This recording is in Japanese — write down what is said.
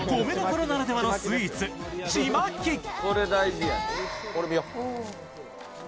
米どころならではのスイーツちまき。